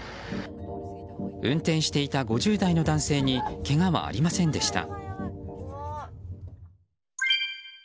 運転していた５０代の男性にけがはありませんでした。